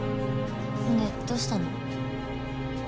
ねえどうしたの？